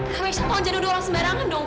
kamisnya tahun januari orang sembarangan dong